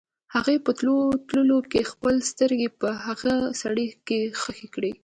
هغې په تلو تلو کې خپلې سترګې په هغه سړي کې ښخې کړې.